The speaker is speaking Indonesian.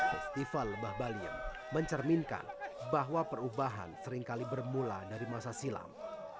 festival lebah baliem mencerminkan bahwa perubahan seringkali bermula dari masa silam